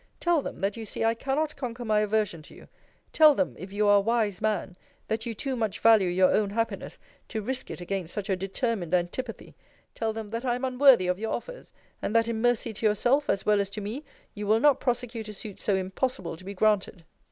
Tell them, that you see I cannot conquer my aversion to you: tell them, if you are a wise man, that you too much value your own happiness, to risk it against such a determined antipathy: tell them that I am unworthy of your offers: and that in mercy to yourself, as well as to me, you will not prosecute a suit so impossible to be granted.